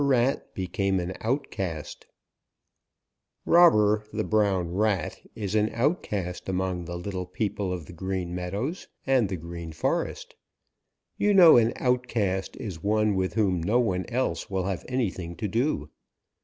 RAT BECAME AN OUTCAST |Robber the brown rat is an outcast among the little people of the Green Meadows and the Green Forest. You know an outcast is one with whom no one else will have anything to do.